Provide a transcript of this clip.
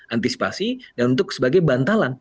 antisipasi dan untuk sebagai bantalan